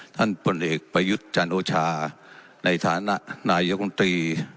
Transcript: ท่านปลอดภัยประยุทธ์จานโอชาในฐานะนายกุมตรี